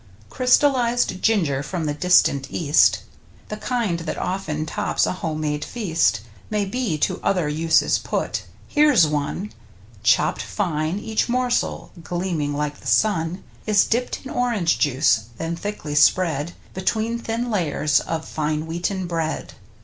Crystallized Ginger from the distant East, The kind that often tops a home made feast, May be to other uses put. Here's one: Chopped fine, each morsel — gleaming like the sun — Is dipped in orange juice, then thickly spread Between thin layers of fine wheaten bread.